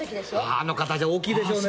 あの方じゃ大きいでしょうね。